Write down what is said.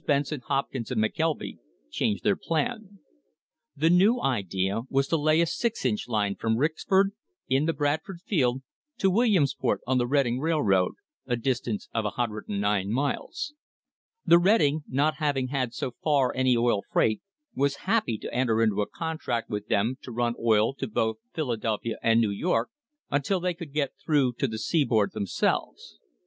Benson, Hopkins and McKelvy changed their plan. THE HISTORY OF THE STANDARD OIL COMPANY The new idea was to lay a six inch line from Rixford, in the Bradford field, to Williamsport, on the Reading Railroad, a distance of 109 miles. The Reading, not having had so far any oil freight, was happy to enter into a contract with them to run oil to both Philadelphia and New York until they could get through to the seaboard themselves.